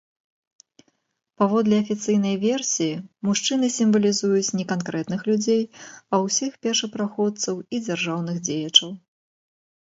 Паводле афіцыйнай версіі мужчыны сімвалізуюць не канкрэтных людзей, а ўсіх першапраходцаў і дзяржаўных дзеячаў.